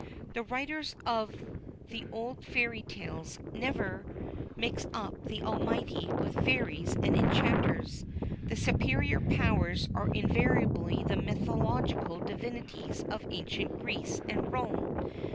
The writers of the old Fairy Tales never mix up the Almighty with fairies and enchanters. The superior powers are invariably the mythological divinities of ancient Greece and Rome.